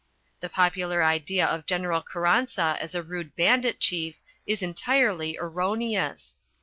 The popular idea of General Carranza as a rude bandit chief is entirely erroneous.